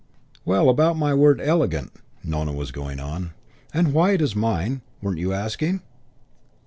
"Well, about my word 'elegant'," Nona was going on, "and why it is mine weren't you asking?"